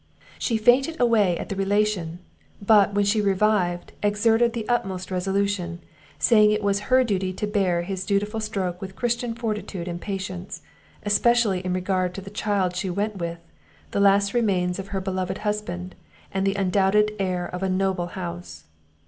"She fainted away at the relation; but, when she revived, exerted the utmost resolution; saying, it was her duty to bear this dreadful stroke with Christian fortitude and patience, especially in regard to the child she went with, the last remains of her beloved husband, and the undoubted heir of a noble house.